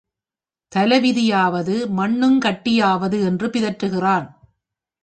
தலைவிதியாவது, மண்ணுங்கட்டியாவது என்று பிதற்றுகிறான்.